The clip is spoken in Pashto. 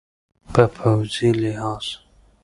په پوځي لحاظ